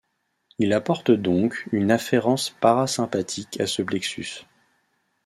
Il apporte donc une afférence parasympathique à ce plexus.